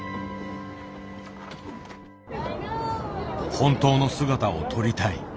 本当の姿を撮りたい。